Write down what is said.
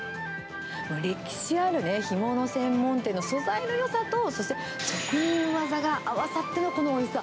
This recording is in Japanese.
歴史ある干物専門店の素材のよさと、そして、職人技が合わさっての、このおいしさ。